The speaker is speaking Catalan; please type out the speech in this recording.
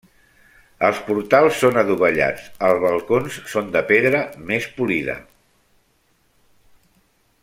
Els portals són adovellats, els balcons són de pedra més polida.